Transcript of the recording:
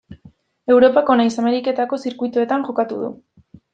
Europako nahiz Ameriketako zirkuituetan jokatu du.